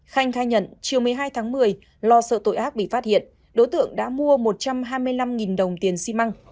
khanh khai nhận chiều một mươi hai tháng một mươi lo sợ tội ác bị phát hiện đối tượng đã mua một trăm hai mươi năm đồng tiền xi măng